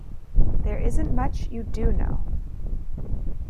There isn't much you do know.